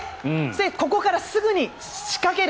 ここからすぐに仕掛ける。